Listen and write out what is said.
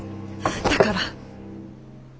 だから！